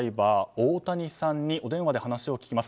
大谷さんにお電話で話を聞きます。